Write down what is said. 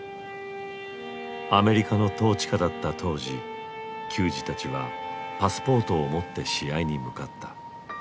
アメリカの統治下だった当時球児たちはパスポートを持って試合に向かった。